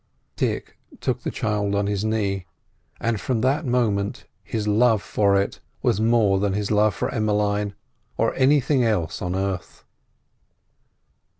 Dick took the child on his knee, and from that moment his love for it was more than his love for Emmeline or anything else on earth.